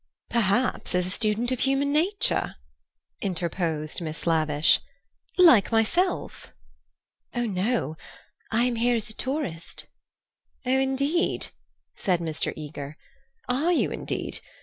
"Perhaps as a student of human nature," interposed Miss Lavish, "like myself?" "Oh, no. I am here as a tourist." "Oh, indeed," said Mr. Eager. "Are you indeed?